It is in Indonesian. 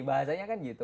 bahasanya kan gitu